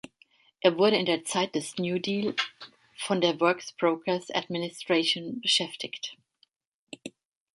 Er wurde in der Zeit des New Deal von der Works Progress Administration beschäftigt.